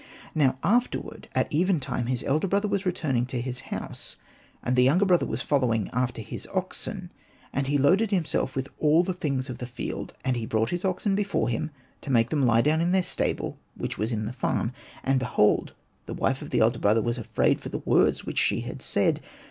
Now afterward, at eventime, his elder brother was returning to his house ; and the younger brother was following after his oxen, and he loaded himself with all the things of the field ; and he brought his oxen before him, to make them lie down in their stable which was in the farm. And behold the. wife of the elder brother was afraid for the words which she had said.